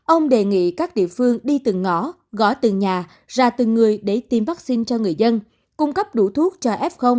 ông đề nghị các địa phương đi từng ngõ gõ từng nhà ra từng người để tiêm vaccine cho người dân cung cấp đủ thuốc cho f